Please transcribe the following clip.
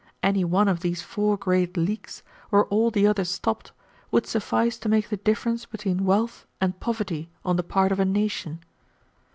Any one of these four great leaks, were all the others stopped, would suffice to make the difference between wealth and poverty on the part of a nation.